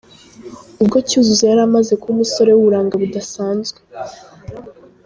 Ubwo Cyuzuzo yari amaze kuba umusore w’uburanga budasanzwe.